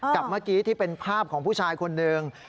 กับเมื่อกี้ที่เป็นภาพของผู้ชายคนหนึ่ง